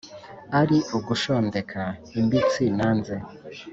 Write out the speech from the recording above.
Ari ugushondeka imbitsi nanze,